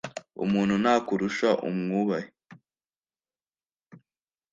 umuntu nakurusha umwubahe